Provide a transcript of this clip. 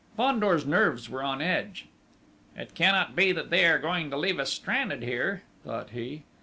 Fandor's nerves were on edge. "It cannot be that they are going to leave us stranded here!" thought he....